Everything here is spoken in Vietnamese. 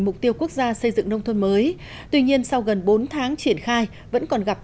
mục tiêu quốc gia xây dựng nông thôn mới tuy nhiên sau gần bốn tháng triển khai vẫn còn gặp